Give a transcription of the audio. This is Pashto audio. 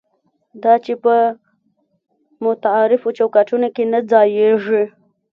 دا چې په متعارفو چوکاټونو کې نه ځایېږي.